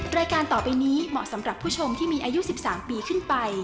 รายการต่อไปนี้เหมาะสำหรับผู้ชมที่มีอายุ๑๓ปีขึ้นไป